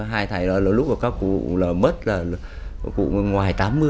hai thầy đó là lúc mà các cụ là mất là cụ ngoài tám mươi